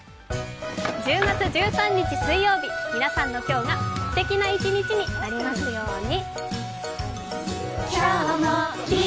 １０月１３日水曜日、皆さんの今日がすてきな一日になりますように！